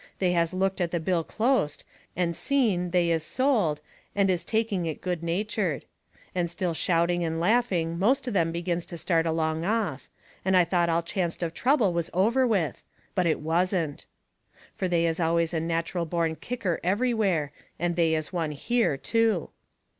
They has looked at the bill closet, and seen they is sold, and is taking it good natured. And still shouting and laughing most of them begins to start along off. And I thought all chancet of trouble was over with. But it wasn't. Fur they is always a natcheral born kicker everywhere, and they was one here, too.